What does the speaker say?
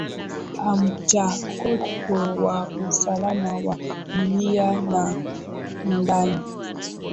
aah mchakato wa usalama wa dunia na ndani